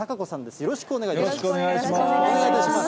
よろしくお願いします。